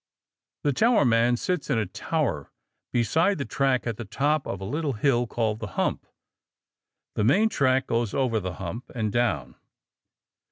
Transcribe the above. The towerman sits in a tower beside the track at the top of a little hill called the hump. The main track goes over the hump and down.